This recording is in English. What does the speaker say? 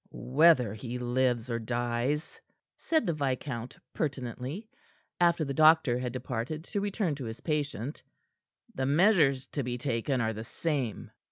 "Whether he lives or dies," said the viscount pertinently, after the doctor had departed to return to his patient, "the measures to be taken are the same."